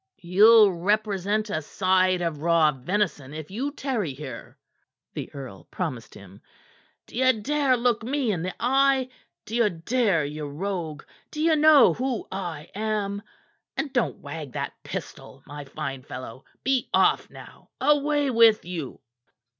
"Ye'll represent a side of raw venison if you tarry here," the earl promised him. "D'ye dare look me in the eye? D'ye dare, ye rogue? D'ye know who I am? And don't wag that pistol, my fine fellow! Be off, now! Away with you!"